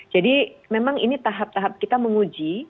jadi memang ini tahap tahap kita menguji